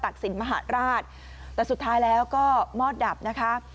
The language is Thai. สินมหาราชแต่สุดท้ายแล้วก็มอดดับนะคะ